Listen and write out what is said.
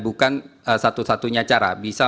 bukan satu satunya cara bisa